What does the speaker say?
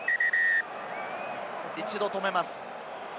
一度止めます。